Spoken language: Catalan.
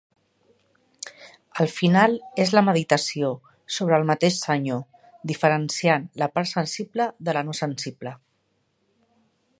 El final és la meditació sobre el mateix Senyor, diferenciant la part sensible de la no sensible.